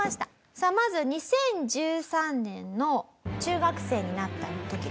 さあまず２０１３年の中学生になった時ですね。